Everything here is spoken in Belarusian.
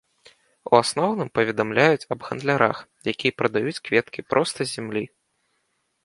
У асноўным паведамляюць аб гандлярах, якія прадаюць кветкі проста з зямлі.